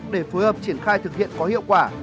để phối hợp triển khai thực hiện có hiệu quả